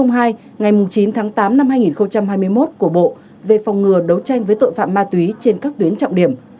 ngày chín tháng tám năm hai nghìn hai mươi một của bộ về phòng ngừa đấu tranh với tội phạm ma túy trên các tuyến trọng điểm